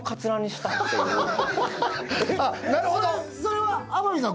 それは天海さん